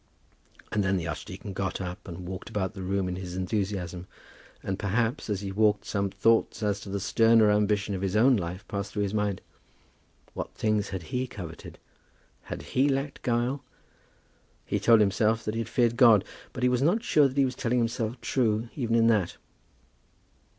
Then the archdeacon got up, and walked about the room in his enthusiasm; and, perhaps, as he walked some thoughts as to the sterner ambition of his own life passed through his mind. What things had he coveted? Had he lacked guile? He told himself that he had feared God, but he was not sure that he was telling himself true even in that.